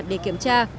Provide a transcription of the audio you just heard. để kiểm tra